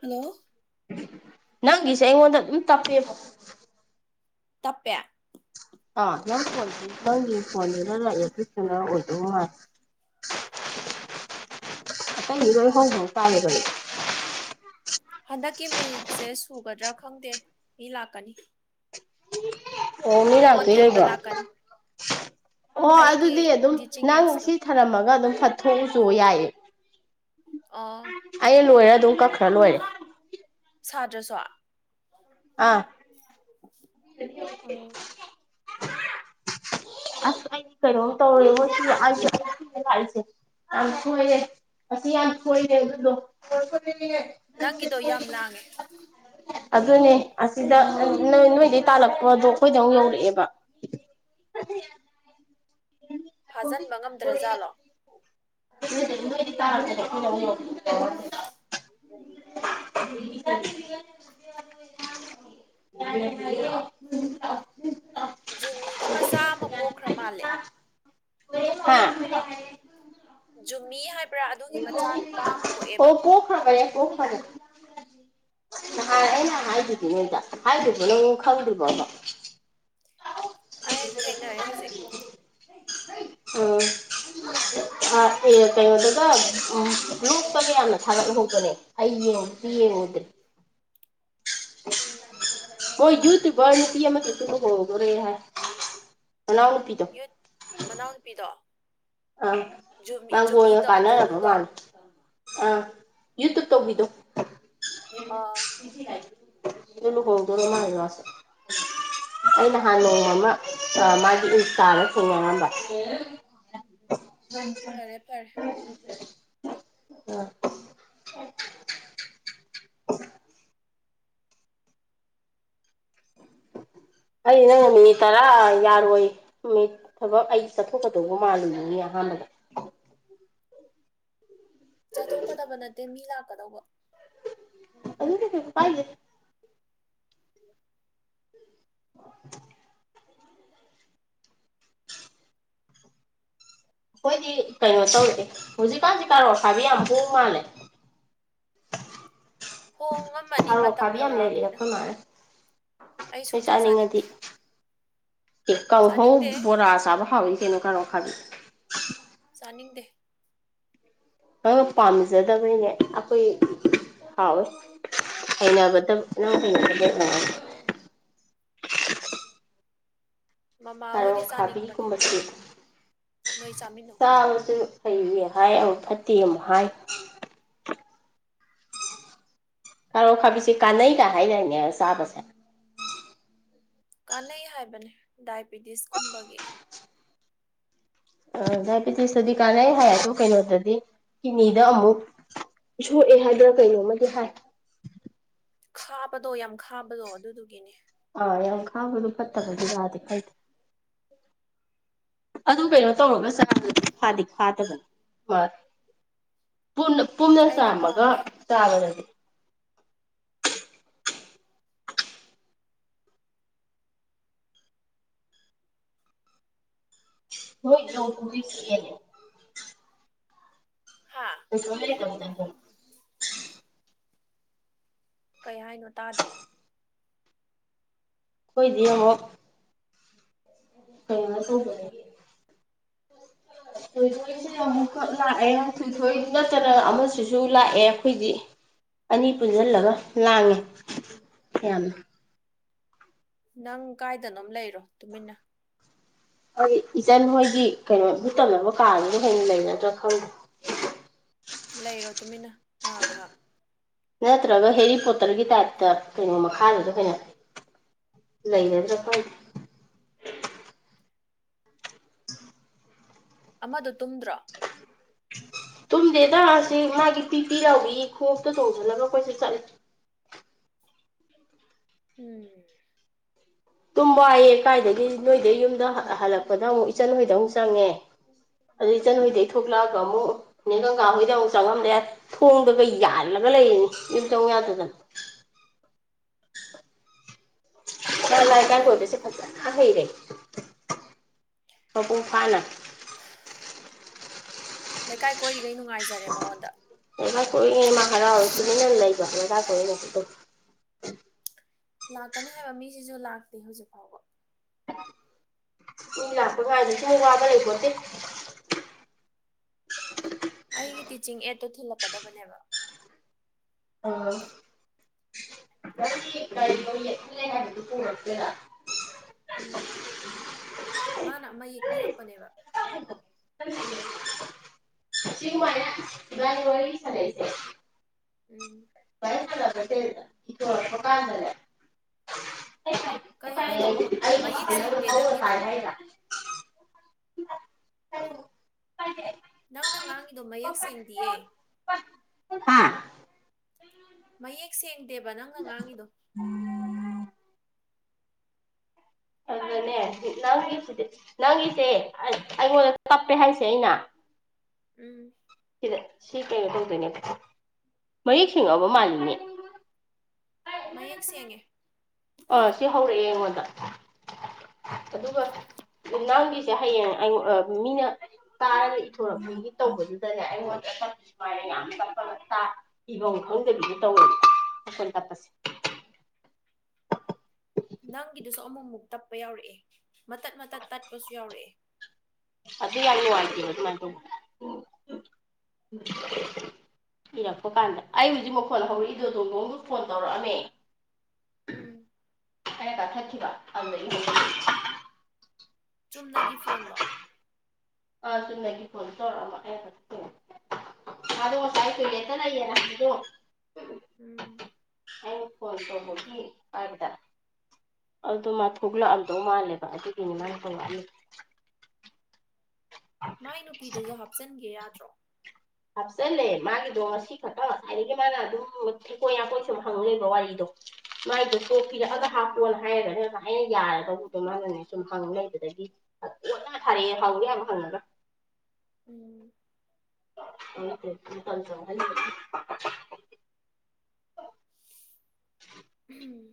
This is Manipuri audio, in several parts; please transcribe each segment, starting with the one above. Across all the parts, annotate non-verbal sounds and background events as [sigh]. ꯍꯜꯂꯣ ꯅꯪꯒꯤꯁꯦ ꯑꯩꯉꯣꯟꯗ ꯑꯗꯨꯝ ꯇꯞꯄꯦꯕꯣ ꯇꯞꯄꯦ ꯑꯥ ꯅꯪ ꯐꯣꯟꯁꯦ ꯍꯟꯗꯛꯀꯤ ꯃꯤꯅꯤꯠꯁꯦ ꯁꯨꯒꯗ꯭ꯔꯥ ꯈꯪꯗꯦ ꯃꯤ ꯂꯥꯛꯀꯅꯤ ꯑꯣ ꯃꯤ ꯄꯣꯠ ꯂꯥꯛꯊꯧ ꯊꯤꯟꯕ ꯂꯩꯕ꯭ꯔꯣ ꯂꯥꯛꯀꯅꯤ ꯑꯣ ꯑꯩꯒꯤ ꯑꯗꯨꯗꯤ ꯑꯗꯨꯝ ꯇꯤꯆꯤꯡ ꯅꯪ ꯑꯦꯠꯁꯇꯣ ꯁꯤ ꯊꯔꯝꯃꯒ ꯑꯗꯨꯝ ꯐꯠ ꯊꯣꯡꯎꯁꯨꯑꯣ ꯌꯥꯏꯌꯦ ꯑꯣ ꯑꯩ ꯂꯣꯏꯔ ꯑꯗꯨꯝ ꯀꯛꯈꯔ ꯂꯣꯏꯔꯦ ꯁꯥꯗ꯭ꯔꯁꯨ ꯑꯥ ꯎꯝ [unintelligible] ꯑꯁ ꯑꯩꯗꯤ ꯀꯩꯅꯣꯝ ꯇꯧꯔꯦ [unintelligible] ꯑꯁꯤ ꯌꯥꯝ ꯁꯣꯏꯔꯦ ꯑꯗꯨꯗꯣ ꯅꯪꯒꯤꯗꯣ ꯌꯥꯝ ꯂꯥꯡꯉꯦ ꯑꯗꯨꯅꯦ ꯑꯁꯤꯗ ꯅꯣꯢꯗꯩ ꯇꯥꯜꯂꯛꯄꯗꯣ ꯑꯩꯈꯣꯏꯗ ꯑꯃꯨꯛ ꯌꯧꯔꯛꯑꯦꯕ ꯐꯥꯖꯤꯟꯕ ꯉꯝꯗ꯭ꯔꯖꯥꯠꯂꯣ [unintelligible] [unintelligible] ꯖꯨꯅꯤꯒꯤ ꯃꯆꯥ ꯑꯃ ꯄꯣꯛꯈ꯭ꯔ ꯃꯥꯜꯂꯦ ꯍꯥꯥ ꯖꯨꯃꯤ ꯍꯥꯏ ꯑꯣ ꯀꯣ ꯈꯥꯔꯦ ꯅꯍꯥꯟ ꯑꯩꯅ ꯍꯥꯏꯗꯨꯗꯤ ꯅꯪꯉꯥꯟꯗꯥ ꯍꯥꯏꯗꯥꯕ꯭ꯔꯣ ꯅꯪ ꯈꯪꯗ꯭ꯔꯤꯕ ꯑꯩ ꯊꯦꯡꯅꯔꯦ ꯍꯧꯖꯤꯛ [unintelligible] ꯂꯣꯛꯄꯒ ꯌꯥꯝꯅ ꯊꯒꯠꯍꯨꯧꯕꯅꯦ ꯑꯩ ꯌꯦꯡꯕꯨꯗꯤ ꯌꯦꯡꯉꯨꯗ꯭ꯔꯦ ꯎꯝ [unintelligible] ꯃꫭꯏ ꯌꯨꯇꯨꯕꯔ ꯅꯨꯄꯤ ꯑꯃ ꯅꯨꯄꯤꯁꯤꯁꯨ ꯂꯨꯍꫭꯡꯗꫭꯔꯦ ꯍꯥꯏ ꯃꯅꯥꯎꯅꯨꯄꯤꯗꯣ ꯌꯨꯠ ꯃꯅꯥꯎꯅꯨꯄꯤꯗꯣ ꯑ ꯖꯨꯃꯤ ꯃꯥꯡꯒꫭꯜꯒ ꯖꯨꯃꯤꯗꯣ ꯀꯥꯅꯔꯕ ꯖꯨꯅꯤꯗꯣ ꯃꯥꯜꯂꯤ ꯑꯥ ꯌꯨꯇꯨꯕ ꯇꯧꯕꯤꯗꫭ ꯑꯥ [inaudible] ꯑꯗꯨ ꯂꯨꯍꯣꯡꯗꯣꯔ ꯃꯥꯜꯂꯤ ꯃꯥꯁꯦ ꯑꯩ ꯅꯍꯥꯟ ꯅꫭꯡꯃ ꯃ ꯑꯥ ꯃꯥꯒꯤ ꯏꯟꯁꯇꯥꯗ ꯊꯦꯡꯅꯔꯝꯕ [inaudible] [inaudible] ꯐꯔꯦ ꯐꯔꯦ ꯑꯥ [inaudible] ꯑꯩ ꯅꯪꯅ ꯃꯤꯅꯤꯠ ꯇꯔꯥ ꯌꯥꯔꯣꯏ ꯅꯨꯃꯤꯠ ꯊꯕꯛ ꯑꯩ ꯆꯠꯊꯣꯛꯀꯗꯧꯕ ꯃꯥꯜꯂꯤꯅꯤꯅꯦ ꯑꯍꯥꯟꯕꯗ ꯆꯠꯊꯣꯛꯀꯗꯕ ꯅꯠꯇꯦ ꯃꯤ ꯂꯥꯛꯀꯗꯧꯕ ꯑꯗꯨ ꯀꯩ ꯀꯩꯕꯨ ꯄꯥꯏꯒꯦ [inaudible] ꯑꯩꯈꯣꯏꯗꯤ ꯀꯩꯅꯣ ꯇꯧꯔꯦ ꯍꯧꯖꯤꯛꯀꯥꯟꯁꯤ ꯀꯥꯔꯣꯠ ꯑꯈꯥꯕꯤ ꯌꯥꯝ ꯍꫭꯡ ꯃꯥꯜꯂꯦ ꯍꯣꯡꯉꯝꯃꯅꯤ ꯀꯥꯔꯣꯠ ꯃꯇꯝ ꯑꯈꯥꯕꯤ ꯌꯥꯝ ꯂꯩꯔꯑꯦ ꯌꯧꯔꯛꯑꯕꯅꯤꯅ ꯑꯩꯈꯣꯏ ꯃꯥꯅ ꯑꯩ ꯅꫭꯏ ꯁꯨꯡꯆꯥ ꯆꯥꯅꯤꯡꯉꯗꯤ ꯆꯥꯅꯤꯡꯗꯦ ꯑꯦ ꯀꯥꯡꯍꯧ ꯆꯥꯅꯤꯡꯗꯦ ꯕꯣꯔꯥ ꯆꯥꯕ ꯍꯥꯎꯋꯤ ꯀꯩꯅꫭ ꯀꯥꯔꫭꯠ ꯑꯈꯥꯕꯤ ꯆꯥꯅꯤꯡꯗꯦ ꯅꯪꯅ ꯄꯥꯝꯖꯗꯕꯩꯅꯦ ꯑꯩꯈꯣꯏ ꯍꯥꯎꯋꯦ ꯍꯩꯅꯕꯗ ꯅꯪ ꯍꯩꯅꯗꯕꯩ ꯃꯃꯥ ꯀꯥꯔꯣ ꯍꯣꯏꯗꯤ ꯈꯥꯕꯤ ꯆꯥꯅꯤꯡꯕꯅꯦ ꯀꯨꯝꯕꯁꯦ ꯅꯣꯏ ꯆꯥꯃꯤꯟꯅꯧ ꯆꯥꯕꯁꯨ ꯐꯩꯌꯦ ꯍꯥꯏ ꯑꯃꯨꯛ ꯐꯠꯇꯦ ꯑꯃꯨꯛ ꯍꯥꯏ ꯀꯔꯣ ꯈꯥꯕꯤꯁꯤ ꯀꯥꯟꯅꯩꯀ ꯍꯥꯏꯗꯥꯏꯅꯦ ꯆꯥꯕꯁꯦ ꯀꯥꯟꯅꯩ ꯍꯥꯏꯕꯅꯤ ꯗꯥꯏꯕꯤꯇꯤꯁ ꯀꯨꯝꯕꯒꯤ ꯑ ꯗꯥꯏꯕꯤꯇꯤꯁꯇꯗꯤ ꯀꯥꯟꯅꯩ ꯍꯥꯏ ꯑꯗꯣ ꯀꯩꯅꯣꯗꯗꯤ ꯀꯤꯗꯅꯤꯗ ꯑꯃꯨꯛ ꯁꯣꯛꯑꯦ ꯍꯥꯏꯗꯔ ꯀꯩꯅꯣꯃꯗꯤ ꯍꯥꯏ ꯈꯥꯕꯗꯣ ꯌꯥꯝ ꯈꯥꯕꯗꯣ ꯑꯗꯨꯗꯨꯒꯤꯅꯦ ꯌꯥꯝ ꯈꯥꯝꯕꯗꫭ ꯑꯗꯨ ꯐꯠꯇꯕꯒꯤꯔꯥꯗꯤ ꯈꯪ ꯑꯗꯨ ꯀꯩꯅꯣ ꯇꯧꯔꯒ ꯆꯥꯔꯗꯤ ꯈꯥꯗꯤ ꯈꯥꯗꯕꯟ ꯍꯣꯏ ꯄꯨꯝꯅ ꯄꯨꯝꯅ ꯑꯩꯗꯤ ꯆꯥꯝꯃꯒ ꯄꯥꯝꯗꯦ ꯇꯥꯎꯔꯗꯤ ꯃꫭꯏ ꯂꯧꯔꯤꯅꯦ ꯍꯥ [inaudible] [inaudible] ꯀꯩ ꯍꯥꯏꯅꯣ ꯇꯥꯗꯦ ꯅꫭꯏꯗꯤ ꯌꯦꯡꯉꫭ ꯀꯩꯅꫭ ꯇꯧꯕꯗꯒꯤ ꯊꯣꯏꯊꫭꯏꯁꯦ ꯑꯃꯨꯛꯀ ꯂꯥꯛꯑꯦ ꯊꫭꯏꯊꯣꯏ ꯅꯠꯇꯅ ꯑꯃꯁꯤꯁꯨ ꯂꯥꯛꯑꯦ ꯑꯩꯈꯣꯏꯗꯤ ꯑꯅꯤ ꯄꯨꯟꯁꯤꯜꯂꯒ ꯂꯥꯡꯉꯦ ꯌꯥꯝꯅ ꯅꯪ ꯀꯥꯏꯗꯅꯣꯝ ꯂꯩꯔꯣ ꯇꯨꯃꯤꯟꯅ ꯑꯩ ꯏꯆꯟ ꯍꯣꯏꯒꯤ ꯀꯩꯅꯣ ‌ꯚꯨꯠ ꯇꯝꯅꯕ ꯀꯥꯗꯨꯗ ꯍꯦꯟꯅ ꯂꯩꯔꯗ꯭ꯔꯥ ꯈꯪꯗꯦ ꯂꯩꯔꯣ ꯇꯨꯃꯤꯟꯅ ꯉꯍꯥꯛ ꯉꯍꯥꯛ ꯅꯠꯇ꯭ꯔꯒ ꯍꯦꯔꯤ ꯄꯣꯇꯔꯒꯤ ꯇꯥꯏꯞꯇ ꯀꯩꯅꯣ ꯃꯈꯥꯗꯨꯗ ꯍꯣꯏꯅ ꯂꯩꯒꯗ꯭ꯔꯥ ꯈꯪ ꯑꯃꯗꯨ ꯇꯨꯝꯗ꯭ꯔꯣ ꯇꯨꯝꯗꯦꯗ ꯁꯤ ꯃꯥꯒꯤ ꯄꯤ ꯄꯤꯔꯥꯎꯕꯤ ꯈꯣꯡꯎꯞꯇꫭ ꯇꯣꯡꯖꯜꯂꯒ ꯀꯣꯏꯆꯠ ꯆꯠꯂꯤ ꯎꯝ ꯇꯨꯝꯕꯥꯏꯌꯦ ꯀꯥꯏꯗꯒꯤ ꯅꯣꯏꯗꯩ ꯌꯨꯝꯗ ꯍ ꯍꯜꯂꯛꯄꯗ ꯑꯃꯨꯛ ꯏꯆꯟ ꯍꯣꯏꯗ ꯑꯃꯨꯛ ꯆꯪꯉꯦ ꯑꯗꯨꯗ ꯏꯆꯟ ꯍꯣꯏꯗꯩ ꯊꯣꯛꯂꯛꯑꯒ ꯑꯃꯨꯛ ꯅꯦ ꯒꯪꯒꯥꯥ ꯍꯣꯏꯗ ꯑꯃꯨꯛ ꯆꯪꯉꯝꯗꯦ ꯊꯣꯡꯗꯒ ꯌꯥꯜꯂꯒ ꯂꯩꯔꯤꯅꯤ ꯌꯨꯝ ꯆꯪꯉꯨ ꯌꯥꯗꯗꯅ ꯂ ꯂꯥ ꯏꯆꯥ ꯅꯨꯡꯉꯥꯏꯔꯤꯅꯦ ꯊꫭꯝꯕꯤꯁ‌ꯦ ꯐꯖꯅꯥ ꯍꯩꯔꯦ [unintelligible] [inaudible] ꯂꯩꯀꯥꯏ ꯀꯣꯏꯔꯤ ꯑꯦꯕꯥ ꯀꯣꯏꯌꯤꯅꯦ ꯃꯥ ꯍꯔꯥꯎꯔ ꯇꯨꯃꯤꯟꯅ ꯂꯩꯕ ꯑꯦꯕꯥ ꯀꯣꯏꯌꯤꯅꯦ [unintelligible] ꯂꯥꯛꯀꯅꯤ ꯍꯥꯏꯕ ꯃꯤꯁꯤꯁꯨ ꯂꯥꯛꯇꯦ ꯍꯧꯖꯤꯛ ꯐꯥꯎꯕ ꯏ ꯂꯥꯛꯄ ꯉꯥꯏꯕꯁꯤꯃꯨꯛ ꯋꯥꯕ ꯂꯩ ꯄꫭꯟꯇꯦ ꯑꯩꯒꯤ ꯇꯤꯆꯤꯡ ꯑꯦꯗꯠꯇꯣ ꯊꯤꯜꯂꯛꯀꯗꯕꯅꯦꯕ ꯑ ꯅꯪꯒꯤ [unintelligible] ꯍꯥꯏꯕꯗꯨ ꯄꯨꯔꯛꯇꯨꯏꯔꯥ ꯎꯝ ꯃꯥꯅ ꯃꯌꯦꯛ ꯄꯤꯔꯛꯄꯅꯦꯕ ꯁꯤ ꯃꯥꯏꯅ ꯏꯕꯅꯤ ꯋꯥꯔꯤ ꯁꯥꯅꯩꯁꯦ [unintelligible] ꯎꯝ [unintelligible] ꯍꯤꯇꯣꯔꯛꯄ ꯀꯥꯟꯗꯅꯦ ꯥ [unintelligible] [unintelligible] ꯅꯪꯅ ꯉꯥꯡꯉꯤꯗꯣ ꯃꯌꯦꯛ ꯁꯦꯡꯗꯤꯌꯦ ꯍꯥꯥ ꯃꯌꯦꯛ ꯁꯦꯡ ꯗꯦꯕ ꯅꯪꯒ ꯉꯥꯡꯉꯤꯗꯣ ꯑꯗꯨꯗꯅꯦ ꯅꯪꯒꯤꯁꯤꯗꯤ ꯅꯪꯒꯤꯁꯦ ꯑꯩ ꯑꯩꯉꯣꯟꯗ ꯇꯞꯄꯦ ꯍꯥꯏꯁꯦ ꯑꯩꯅ ꯎꯝ ꯁꯤꯗ ꯁꯤ ꯀꯩꯅꯣ ꯇꯧꯗꯣꯏꯅꯦꯕ ꯃꯌꯦꯛ ꯁꯦꯡꯉꯛꯑꯕ ꯃꯥꯜꯂꯤꯅꯦ ꯃꯌꯦꯛ ꯁꯦꯡꯉꯦ ꯑꯥ ꯁꯤ ꯍꯧꯔꯛꯑꯦ ꯑꯩꯉꯣꯟꯗ ꯑꯗꯨꯒ ꯅꯪꯒꯤꯁꯦ ꯍꯌꯦꯡ ꯑꯩꯉꯣ ꯃꯤꯅ ꯇꯥꯔꯒ ꯏꯊꯣꯔꯛꯃꯤꯒꯤ ꯇꯧꯕꯗꯨꯗꯅꯦ ꯑꯩꯉꯣꯟꯗ ꯇꯞꯐꯤ ꯁꯨꯃꯥꯏꯅ ꯌꯥꯝꯄ ꯇꯞꯄꯒꯥ ꯇ ꯏꯕꯝ ꯈꯪꯗꯕꯤꯗꯦ ꯇꯧꯋꯦꯕ ꯑꯩꯈꯜ ꯇꯞꯄꯁꯦ ꯅꯪꯒꯤꯗꯨꯁꯨ ꯑꯃꯨꯛꯃꯨꯛ ꯇꯞꯄ ꯌꯥꯎꯔꯛꯑꯦ ꯃꯇꯠ ꯃꯇꯠ ꯇꯠꯄꯁꯨ ꯌꯥꯎꯔꯛꯑꯦ ꯑꯗꯨ ꯌꯥꯝ ꯅꯨꯡꯉꯥꯏꯇꯦꯕ ꯑꯗꯨꯃꯥꯏꯅ ꯇꯧꯕ ꯎ ꯏꯔꯛꯄ ꯀꯥꯟꯗ ꯑꯩ ꯍꯧꯖꯤꯛ ꯃꯈꯣꯟ ꯍꯧꯔꯛꯏꯗꯣ ꯇꯣꯡ ꯗꯣꯡꯗꫭꯡ ꯗꫭ ꯐꯣꯟ ꯇꯧꯔꯛ ꯑꯃꯦ ꯎꯝ ꯑꯩꯅ ꯀꯛꯊꯠꯈꯤꯕ ꯑꯗꯨꯗꯒꯤ ꯍꯧꯒꯠꯂꯛꯏꯅ‌ꯦ ꯆꯨꯝꯅꯒꯤ ꯐꯣꯟꯂꯣ ꯑꯥ ꯆꯨꯝꯅꯒꯤ ꯐꯣꯟꯗ ꯇꯧꯔꯛꯑꯝꯕ ꯑꯩꯅ ꯀꯠꯊꯠꯈꯤꯕ ꯃꯗꯣ ꯉꯁꯥꯏ ꯀꯨꯏꯔꯦꯛꯇ ꯂꯩꯌꯦꯅ ꯍꯥꯏꯕꯗꯣ ꯎꯝ ꯑꯩꯅ ꯐꯣꯟ ꯇꯧꯕꯒꯤ ꯍꯥꯏꯕꯗ ꯑꯗꯨ ꯃꯥ ꯊꯣꯛꯂꯛꯑꯝꯗꯧ ꯃꯥꯜꯂꯦꯕ ꯑꯗꯨꯒꯤꯅꯤ ꯃꯥꯅ ꯇꯧꯔꯛꯑꯝꯃꯤꯗ‌ꯦ ꯃꯥꯏ ꯅꯨꯄꯤꯗꯨꯁꯨ ꯍꯥꯞꯆꯤꯟꯒꯦ ꯌꯥꯗ꯭ꯔꯣ ꯍꯥꯞꯆꯤꯜꯂꯦ ꯃꯥꯒꯤꯗꯣ ꯉꯁꯤ ꯈꯛꯇ ꯑꯗꯒꯤ ꯃꯥꯅ ꯑꯗꯨꯝ ꯊꯦꯀꯣꯏ ꯅꯥꯀꯣꯏꯁꯨꯝ ꯍꯪꯂꯩꯕ ꯋꯥꯔꯤꯗꯣ ꯃꯥꯏꯗꯣ ꯀꫭꯛ ꯄꯤꯔꯛꯑꯒ ꯍꯥꯞꯄꯣꯅ ꯍꯥꯏꯔꯒ ꯍꯥꯏꯌꯦꯅ ꯌꯥꯔꯒꯕꯨꯗꯣ ꯃꯥꯅꯅꯦ ꯁꯨꯝ ꯍꯪ ꯂꯩꯕꯗꯒꯤ ꯂꯣꯏꯅ ꯐꯥꯔꯛꯑꯦ ꯍꯧꯒꯦꯕ ꯍꯪꯉꯒ ꯎꯝ ꯍꯇꯜ ꯆ ꯍꯥꯏ [unintelligible] ꯎꯝ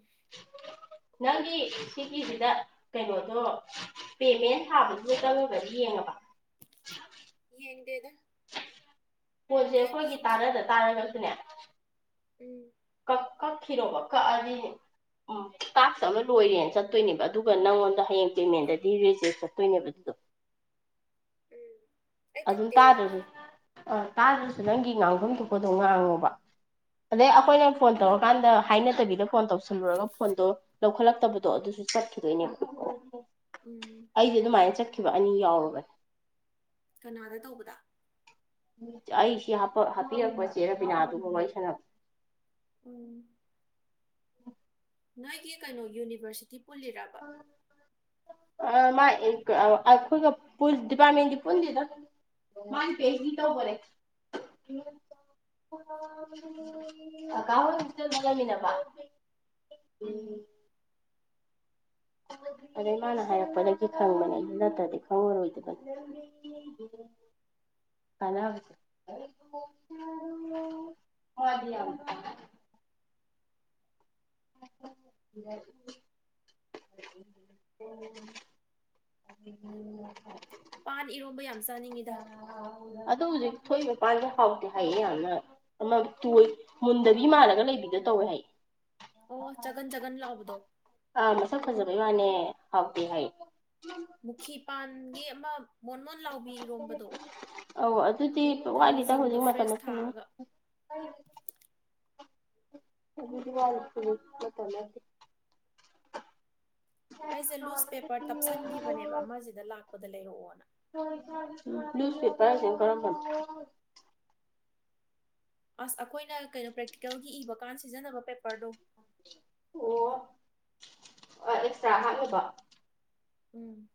ꯅꯪꯒꯤ ꯁꯤꯒꯤꯁꯤꯗ ꯀꯩꯅꯣꯗꯣ ꯄꯦꯃꯦꯟ ꯊꯥꯕꯗꯨꯗ ꯆꯪꯉꯒꯗꯤ ꯌꯦꯡꯉꯕ ꯌꯦꯡꯗꯦꯗꯣ ꯄꯣꯟꯁꯦ ꯑꯩꯈꯣꯏꯒꯤ ꯇꯥꯟꯅꯗ ꯇꯥꯔꯒꯁꯨꯅꯦ [unintelligible] ꯎꯝ ꯀꯛ ꯀꯛꯈꯤꯔꯣꯕ ꯀꯛꯑꯗꯤ ꯇꯥꯛꯁ ꯑꯃ ꯂꯣꯏꯔꯦꯅ ꯆꯠꯇꯣꯏꯅꯦꯕ ꯑꯗꯨꯒ ꯅꯪꯉꯣꯟꯗ ꯍꯌꯦꯡ ꯄꯦꯃꯦꯟꯗꯗꯤ ꯔꯤꯖꯦꯁ ꯆꯠꯇꯣꯏꯅꯦꯕ ꯑꯗꯨꯗꯣ ꯑꯗꯨꯝ ꯇꯥꯗ꯭ꯔꯁꯨ ꯑꯥ ꯇꯥꯗ꯭ꯔꯁꯨ ꯅꯪꯒꯤ ꯉꯥꯡꯐꯝ ꯊꯣꯛꯄꯗꯣ ꯉꯥꯡꯉꯣꯕ ꯑꯗꯩ ꯑꯩꯈꯣꯏꯅ ꯐꯣꯟ ꯇꯧꯔꯀꯥꯟꯗ ꯍꯥꯏꯅꯗꯕꯤꯗ ꯐꯣꯟ ꯇꯧꯁꯜꯂꯨꯔꯒ ꯐꯣꯟꯗꯣ ꯂꯧꯈꯠꯂꯛꯇꯕꯗꯣ ꯑꯗꯨꯁꯨ ꯆꯠꯈꯤꯗꯣꯏꯅꯦꯕ ꯑꯩꯗꯤ ꯑꯗꯨꯃꯥꯏꯅ ꯆꯠ ꯊꯣꯛꯈꯤꯕ ꯑꯅꯤ ꯌꯥꯎꯔꯕꯅꯦ ꯀꯅꯥꯗ ꯇꯧꯕꯗ ꯑꯩꯁꯤ ꯍꯥꯞꯄꯤꯔꯛꯄ ꯆꯦ ꯔꯕꯤꯅꯥꯗꯨꯕꯨ ꯋꯥꯔꯤ ꯁꯅꯕ ꯎꯝ ꯅꯣꯏꯒꯤ ꯀꯩꯅꯣ ꯌꯨꯅꯤꯚꯔꯁꯤꯇꯤ ꯄꯨꯜꯂꯤꯔꯕ ꯑ ꯃꯥꯏ ꯑꯩꯈꯣꯏꯒ ꯄꯨꯂ ꯗꯤꯄꯥꯔꯠꯃꯦꯟꯗꯤ ꯄꯨꯟꯗꯦꯗ ꯃꯥ ꯄꯤ ꯑꯩꯁ ꯗꯤ ꯇꯧꯕꯅꯦ ꯎꯝ ꯑꯗꯩ ꯃꯥꯅ ꯍꯥꯏꯔꯛꯄꯗꯒꯤ ꯈꯪꯕꯅꯦ ꯑꯩ ꯅꯠꯇ꯭ꯔꯗꯤ ꯈꯪꯉꯔꯣꯏꯗꯕꯅꯤ [unintelligible] [unintelligible] ꯄꯥꯟ ꯏꯔꯣꯕ ꯌꯥꯝ ꯆꯥꯅꯤꯡꯉꯤꯗ ꯑ ꯑꯗꯨ ꯍꯧꯖꯤꯛ ꯊꯣꯛꯏ ꯃꯄꯥꯟꯁꯦ ꯍꯥꯎꯇꯦ ꯍꯥꯏꯌꯦ ꯌꯥꯝꯅ ꯑꯃꯣꯏ ꯃꯨꯟꯗꯕꯤ ꯃꯥꯟꯂꯒ ꯂꯩꯕꯤꯗ ꯇꯧꯋꯦ ꯍꯥꯏꯌꯦ ꯑꯣ ꯆꯒꯟ ꯆꯒꯟ ꯂꯥꯛꯕꯗꯣ ꯑꯥ ꯃꯁꯛ ꯐꯖꯕꯩ ꯋꯥꯅꯦ ꯍꯥꯎꯇꯦ ꯍꯥꯏ ꯃꯨꯈꯤ ꯄꯥꯟꯒꯤ ꯑꯃ ꯃꯣꯟ ꯃꯣꯟ ꯂꯥꯎꯕꯤ ꯏꯔꯣꯝꯕꯗꯣ ꯑꯧ ꯑꯗꯨꯗꯤ ꯋꯥꯠꯂꯤꯗ ꯊꯥꯡꯖꯤꯡꯗꯣ ꯍꯧꯖꯤꯛ ꯃꯇꯝ ꯐ꯭ꯔꯦꯁ ꯅꯠꯇꯝꯅꯤꯅ ꯊꯥꯛꯑꯒ ꯑꯗꯤ [unintelligible] ꯑꯩꯁꯦ ꯂꯨꯖ ꯄꯦꯄꯔ ꯇꯞꯁꯤꯟꯈꯤꯕꯅꯦꯕ ꯑꯃꯁꯤꯗ ꯂꯥꯛꯄꯗ ꯂꯩꯔꯛꯑꯣꯅ ꯂꯨꯁ ꯄꯦꯄꯔꯁꯦ ꯔꯝꯕꯅꯣ ꯑꯁ ꯑꯩꯈꯣꯏꯅ ꯀꯩꯅꯣ ꯄ꯭ꯔꯦꯛꯇꯤꯀꯦꯜꯒꯤ ꯏꯕꯀꯥꯟ ꯁꯤꯖꯤꯟꯅꯕ ꯄꯦꯄꯔꯗꯣ ꯑꯣ ꯑꯦꯛꯁꯇ꯭ꯔꯥ ꯍꯥꯞꯂꯕ ꯎꯝ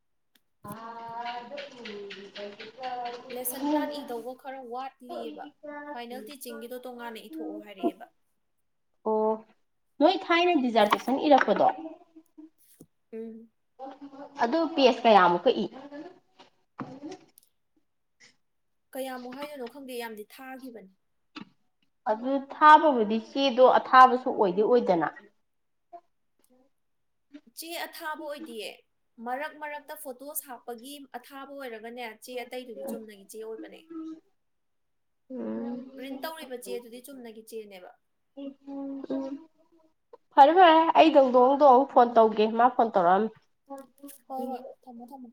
ꯑ ꯎꯝ ꯂꯦꯁꯟ ꯄ꯭ꯂꯥꯟ ꯏꯗꯧꯕ ꯈꯔ ꯋꯥꯠꯂꯤꯑꯕ ꯐꯥꯏꯅꯦꯜ ꯇꯤꯆꯤꯡꯒꯤꯗꯣ ꯇꯣꯉꯥꯟꯅ ꯏꯊꯣꯛꯑꯣ ꯍꯥꯏꯔꯛꯑꯦꯕ ꯑꯣ ꯅꯣꯏ ꯊꯥꯏꯅ ꯗꯤꯖꯥꯔꯇꯦꯁꯟ ꯏꯔꯛꯄꯗꯣ ꯎꯝ ꯑꯗꯨ ꯄꯦꯁ ꯀꯌꯥꯃꯨꯛ ꯀ ꯏ ꯀꯌꯥꯃꯨꯛ ꯍꯥꯏꯔꯤꯣꯏꯅꯣ ꯈꯪꯗꯦ ꯌꯥꯝꯗꯤ ꯊꯥꯈꯤꯕꯅꯤ ꯑꯗꯨ ꯊꯥꯕꯕꯨꯗꯤ ꯆꯦꯗꯣ ꯑꯊꯥꯕꯁꯨ ꯑꯣꯏꯗꯤ ꯑꯣꯏꯗꯅ ꯆꯦ ꯑꯊꯥꯕ ꯑꯣꯏꯗꯤꯌꯦ ꯃꯔꯛ ꯃꯔꯛꯇ ꯐꯣꯇꯣ ꯁꯥꯞꯄꯒꯤ ꯑꯊꯥꯕ ꯑꯣꯏꯔꯒ ꯅꯦ ꯆꯦ ꯑꯇꯩꯗꯨꯗꯤ ꯆꯨꯝꯅꯒꯤ ꯆꯦ ꯑꯣꯏꯕꯅꯦ ꯄ꯭ꯔꯤꯟ ꯎꯝ ꯇꯧꯔꯤꯕ ꯆꯦꯗꯨꯗꯤ ꯆꯨꯝꯅꯒꯤ ꯆꯦꯅꯦꯕ ꯎꯝ ꯐꯔꯦ ꯐꯔꯦ ꯑꯩꯗꯗꯣꯛ ꯑꯃꯨꯗꯣ ꯑꯃꯨꯛ ꯐꯣꯟ ꯇꯧꯒꯦ ꯃꯥ ꯐꯣꯟ ꯇꯧꯔꯛꯑꯝꯃꯦ ꯍꯣꯏ ꯍꯣꯏ ꯊꯝꯃꯃꯦꯣ ꯊꯝꯃꯣ